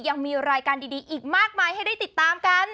ยังมีรายการดีอีกมากมายให้ได้ติดตามกัน